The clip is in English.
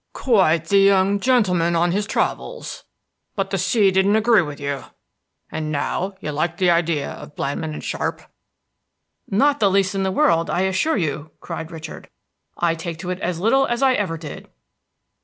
"Quite the young gentleman on his travels. But the sea didn't agree with you, and now you like the idea of Blandmann & Sharpe?" "Not the least in the world, I assure you!" cried Richard. "I take to it as little as ever I did."